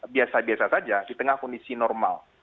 biasa biasa saja di tengah kondisi normal